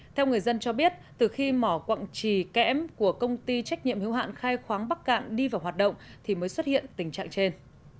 theo người dân cho biết từ khi mỏ quặng trì kẽm của công ty trách nhiệm hiếu hạn khai khoáng bắc cạn đi vào hoạt động thì mới xuất hiện tình trạng trên